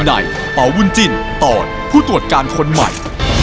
ในเป๋าบุญจินตอดผู้ตรวจการคนใหม่